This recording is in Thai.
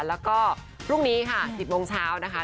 แล้วก็พรุ่งนี้ค่ะ๑๐โมงเช้านะคะ